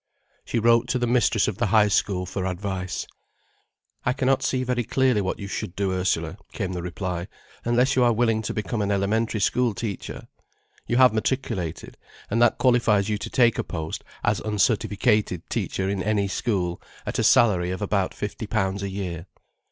She wrote to the mistress of the High School for advice. "I cannot see very clearly what you should do, Ursula," came the reply, "unless you are willing to become an elementary school teacher. You have matriculated, and that qualifies you to take a post as uncertificated teacher in any school, at a salary of about fifty pounds a year.